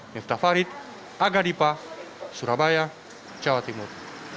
miftah farid aga dipa surabaya jawa timur